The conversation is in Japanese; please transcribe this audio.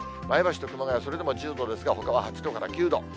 前橋と熊谷はそれでも１０度ですが、ほかは８度から９度。